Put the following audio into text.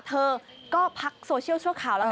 เธอก็พักโซเชียลชั่วคราวแล้วกัน